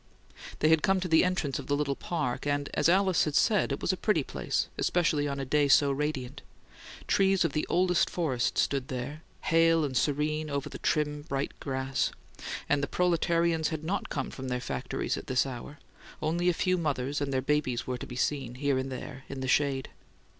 They had come to the entrance of the little park; and, as Alice had said, it was a pretty place, especially on a day so radiant. Trees of the oldest forest stood there, hale and serene over the trim, bright grass; and the proletarians had not come from their factories at this hour; only a few mothers and their babies were to be seen, here and there, in the shade.